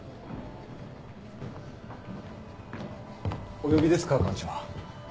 お呼びですか館長。